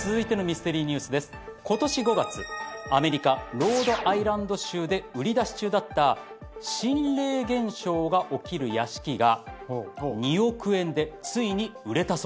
ロードアイランド州で売り出し中だった心霊現象が起きる屋敷が２億円でついに売れたそうです。